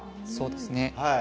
そうですね。